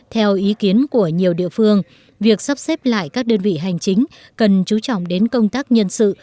theo ý kiến của nhiều địa phương việc sắp xếp lại các đơn vị hành chính cần chú trọng đến công tác nhân sự